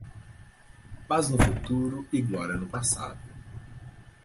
Paz no futuro e glória no passado